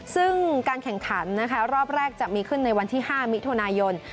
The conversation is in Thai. ซึ่งการแข่งขันนะคะรอบแรกจะมีขึ้นในวันที่๕มิถุนายน